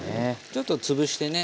ちょっと潰してね